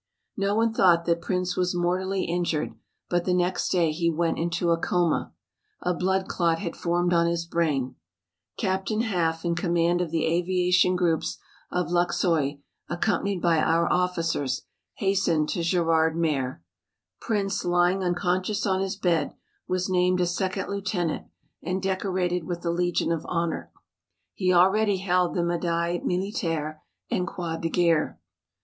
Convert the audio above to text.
No one thought that Prince was mortally injured but the next day he went into a coma. A blood clot had formed on his brain. Captain Haff in command of the aviation groups of Luxeuil, accompanied by our officers, hastened to Gerardmer. Prince lying unconscious on his bed, was named a second lieutenant and decorated with the Legion of Honor. He already held the Médaille Militaire and Croix de Guerre.